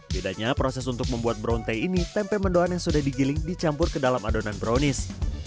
bedanya proses untuk membuat brownte ini tempe mendoan yang sudah digiling dicampur ke dalam adonan brownies